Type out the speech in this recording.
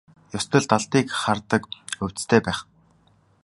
Ёстой л далдыг хардаг увдистай байх.